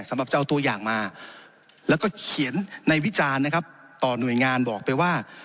สำหรับจะเอาตัวอย่างมาแล้วก็เขียนในวิจารณ์นะครับต่อหน่วยงานบอกไปว่า